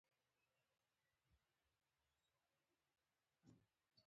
سوانح عمري د ژوند تفصیلي لیکلو ته وايي.